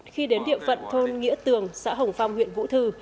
khi đến địa phận thôn nghĩa tường xã hồng phong huyện vũ thư